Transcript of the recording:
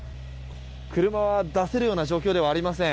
車は出せるような状況ではありません。